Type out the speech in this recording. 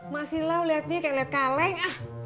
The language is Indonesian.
masih lau liatnya kayak liat kaleng